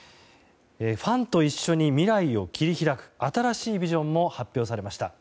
ファンと一緒に未来を切り開く新しいビジョンも発表されました。